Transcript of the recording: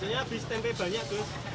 biasanya abis tempe banyak tuh